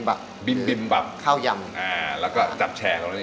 บิลบำบข้าวยำอ่าครับแล้วก็